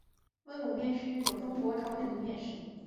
温卤面是一种中国朝鲜族面食。